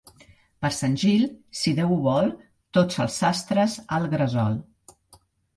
Per Sant Gil, si Déu ho vol, tots els sastres al gresol.